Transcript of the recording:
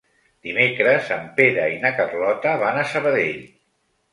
Dimecres en Pere i na Carlota van a Sabadell.